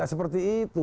nggak seperti itu